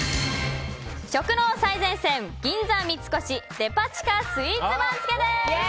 食の最前線、銀座三越デパ地下スイーツ番付です。